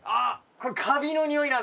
これカビのにおいなんですよ。